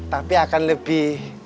tapi akan lebih